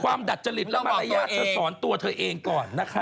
ความดัดจริตนั้นทำมาตรายสนตัวเธอเองก่อน